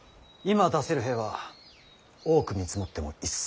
今出せる兵は多く見積もっても１，０００。